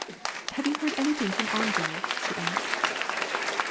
" Hare you heard anything from Andrei ?'* she asked.